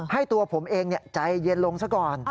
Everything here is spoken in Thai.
ให้ตัวผมเองใจเย็นลงซะก่อน